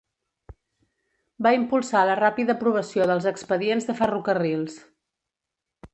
Va impulsar la ràpida aprovació dels expedients de ferrocarrils.